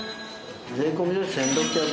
税込で１６５０円。